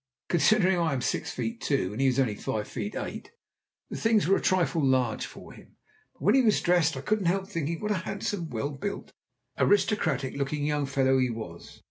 Considering I am six feet two, and he was only five feet eight, the things were a trifle large for him; but when he was dressed I couldn't help thinking what a handsome, well built, aristocratic looking young fellow he was.